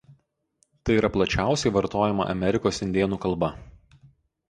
Tai yra plačiausiai vartojama Amerikos indėnų kalba.